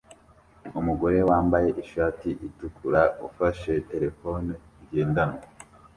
Umugore wambaye ishati itukura ufashe terefone ngendanwa